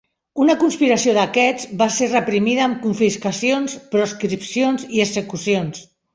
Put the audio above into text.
Una conspiració d'aquests va ser reprimida amb confiscacions, proscripcions i execucions.